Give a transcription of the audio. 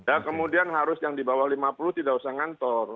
ya kemudian harus yang di bawah lima puluh tidak usah ngantor